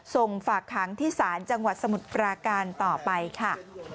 ส่งฝากขังที่ศาลจังหวัดสมุทรปราการต่อไปค่ะ